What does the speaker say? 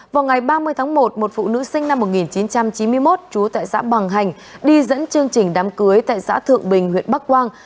vào ngày ba mươi tháng một một phụ nữ sinh năm một nghìn chín trăm chín mươi một trú tại xã bằng hành đi dẫn chương trình đám cưới tại xã thượng bình huyện bắc quang